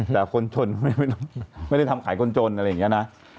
แต่คนจนไม่ได้ทำขายคนจนอะไรอย่างนี้นะ